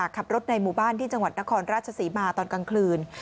ขับรถในหมู่บ้านที่จังหวัดนครราชศรีมาตอนกลางคืน